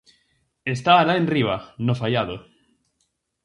Está alá enriba, no faiado.